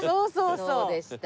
そうでした。